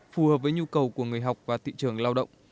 phù hợp với nhu cầu của người học và thị trường lao động